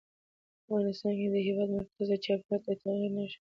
افغانستان کې د هېواد مرکز د چاپېریال د تغیر نښه ده.